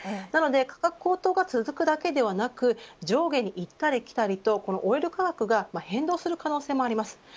なので価格高騰が続くだけではなく上下に行ったり来たりとこのオイル価格が変動する可能もあります。